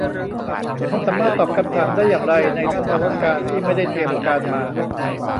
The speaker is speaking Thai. ฉันสามารถตอบคำถามได้อย่างไรในสภาวการณ์ที่ไม่ได้เตรียมการมา